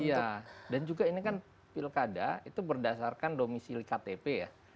iya dan juga ini kan pilkada itu berdasarkan domisi ktp ya